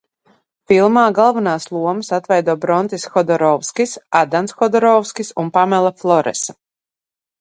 Filmā galvenās lomas atveido Brontiss Hodorovskis, Adans Hodorovskis un Pamela Floresa.